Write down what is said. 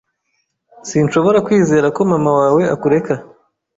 Sinshobora kwizera ko mama wawe akureka.